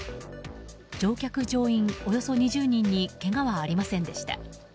乗客・乗員およそ２０人にけがはありませんでした。